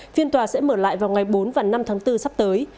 phiên tòa sẽ mở lại vào ngày bốn và năm tháng bốn sắp tới